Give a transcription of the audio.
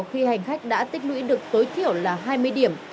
khi hành khách đã tích lũy được tối thiểu là hai mươi điểm